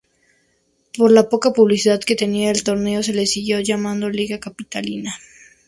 Por la poca publicidad que tenía el torneo se le siguió llamando Liga Capitalina.